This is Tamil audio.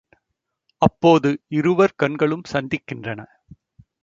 அப்போது இருவர் கண்களும் சந்தித்திருக்கின்றன.